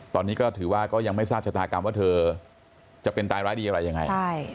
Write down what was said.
ตอนนี้ก็ถือว่าก็ยังไม่ทราบชะตากรรมว่าเธอจะเป็นตายร้ายดีอะไรยังไง